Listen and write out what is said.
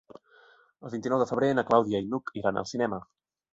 El vint-i-nou de febrer na Clàudia i n'Hug iran al cinema.